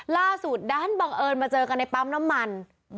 ล่าสุดด้านบังเอิญมาเจอกันในปั๊มน้ำมัน